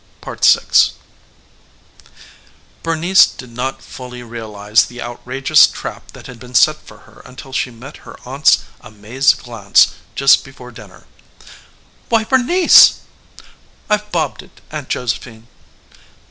VI Bernice did not fully realize the outrageous trap that had been set for her until she met her aunt's amazed glance just before dinner. "Why Bernice!" "I've bobbed it, Aunt Josephine."